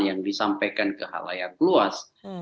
yang disampaikan ke halayak luas